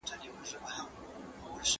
په ځینو دیوانونو کې د طب یادونه سوې ده.